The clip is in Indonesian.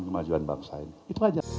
kemajuan bangsa ini